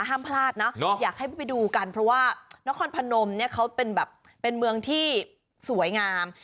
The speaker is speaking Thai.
ห้ามพลาดนะอยากให้ไปดูกันเพราะว่านครพนมเนี่ยเขาเป็นแบบเป็นเมืองที่สวยงาม